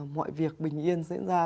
mọi việc bình yên diễn ra